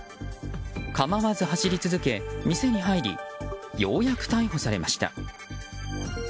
構わず走り続け、店に入りようやく逮捕されました。